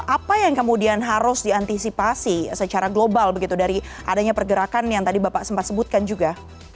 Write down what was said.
apa yang kemudian harus diantisipasi secara global begitu dari adanya pergerakan yang tadi bapak sempat sebutkan juga